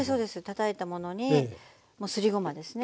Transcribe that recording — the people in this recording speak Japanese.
たたいたものにすりごまですね。